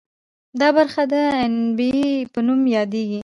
دا برخه د عنبیې په نوم یادیږي.